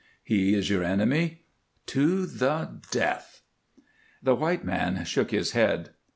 "He is your enemy?" "To the death." The white man shook his head.